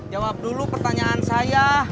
jawab dulu pertanyaan saya